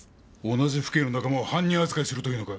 同じ府警の仲間を犯人扱いするというのか？